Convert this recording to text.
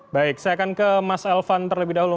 baik saya akan ke mas elvan terlebih dahulu